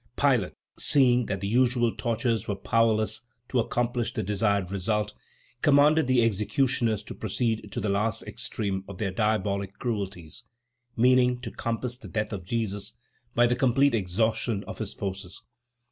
Pilate, seeing that the usual tortures were powerless to accomplish the desired result, commanded the executioners to proceed to the last extreme of their diabolic cruelties, meaning to compass the death of Jesus by the complete exhaustion of his forces.